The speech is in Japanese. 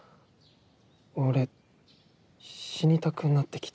俺死にたくなってきた。